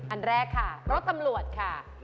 อันแรกค่ะรถตำรวจค่ะ